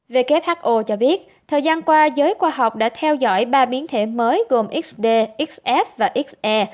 who cho biết thời gian qua giới khoa học đã theo dõi ba biến thể mới gồm xd xf và xe